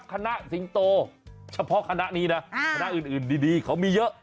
สิงโตเฉพาะคณะนี้นะคณะอื่นดีเขามีเยอะ